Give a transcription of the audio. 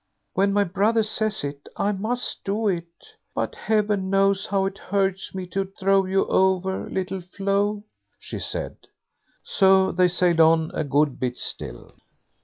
"When my brother says it, I must do it, but heaven knows how it hurts me to throw you over, Little Flo", she said. So they sailed on a good bit still.